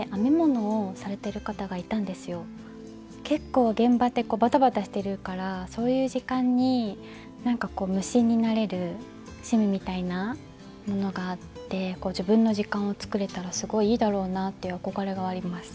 結構現場ってバタバタしてるからそういう時間になんかこう無心になれる趣味みたいなものがあって自分の時間を作れたらすごいいいだろうなっていう憧れがあります。